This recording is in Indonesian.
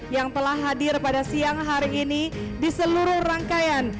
yang telah hadir pada siang hari ini di seluruh rangkaian